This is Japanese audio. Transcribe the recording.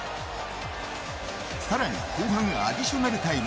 更に後半アディショナルタイム。